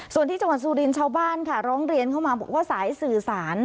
ส่วนที่จังหวัดสุรินทร์ชาวบ้านค่ะร้องเรียนเข้ามาบอกว่าสายสื่อสาร